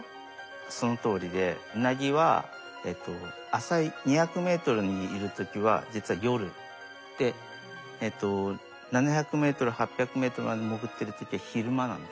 そのとおりでウナギは浅い２００ｍにいる時は実は夜で７００ｍ８００ｍまで潜ってる時は昼間なんです。